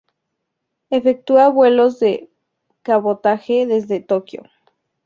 Efectúa vuelos de cabotaje desde Tokio.